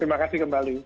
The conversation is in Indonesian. terima kasih kembali